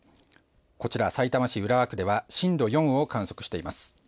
こちら、さいたま市浦和区では震度４を観測しています。